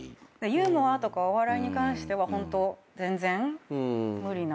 ユーモアとかお笑いに関してはホント全然無理なんじゃないのかな。